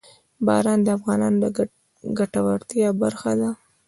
باران د افغانانو د ګټورتیا برخه ده.